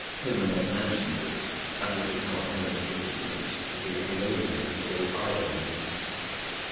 Homer never mentions it, and it was not known as legitimate to the Æolians or the Ionians.